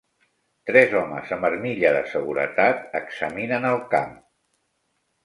Tres homes amb armilla de seguretat examinen el camp.